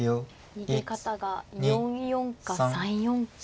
逃げ方が４四か３四か。